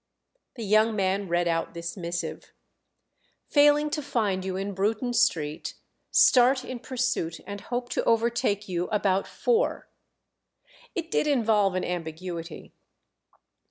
The young man read out this missive. "'Failing to find you in Bruton Street, start in pursuit and hope to overtake you about four.'" It did involve an ambiguity.